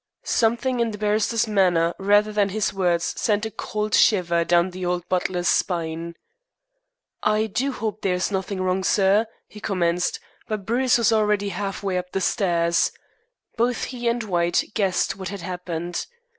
Something in the barrister's manner rather than his words sent a cold shiver down the old butler's spine. "I do hope there's nothing wrong, sir," he commenced; but Bruce was already half way up the stairs. Both he and White guessed what had happened.